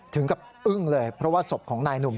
ถึงกับอึ้งเลยเพราะว่าศพของนายหนุ่ม